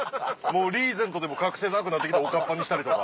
リーゼントでも隠せなくなってきておかっぱにしたりとか。